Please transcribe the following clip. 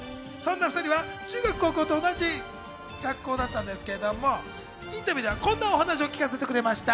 そんな２人は中学、高校と同じ学校だったんですけれども、インタビューではこんなお話を聞かせてくれました。